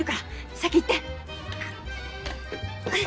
先行って！